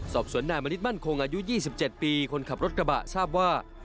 สอบสวนนายมณิชมั่นคงอายุ๒๗ปีคนขับรถกระบะทราบว่า